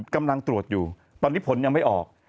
กำลังตรวจอยู่ตอนนี้ผลยังไม่ออก